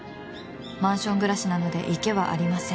マンション暮らしなので池はありません